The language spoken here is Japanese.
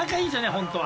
本当は。